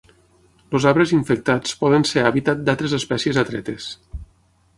Els arbres infectats poden ser hàbitat d'altres espècies atretes.